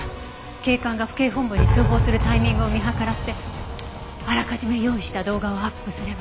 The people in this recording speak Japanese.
警官が府警本部に通報するタイミングを見計らってあらかじめ用意した動画をアップすれば。